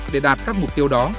để đạt các mục tiêu đó